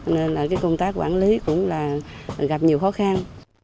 nên là công tác quản lý cũng gặp nhiều khó khăn